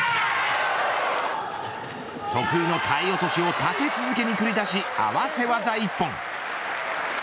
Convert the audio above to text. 得意の体落を立て続けに繰り出し合わせ技一本。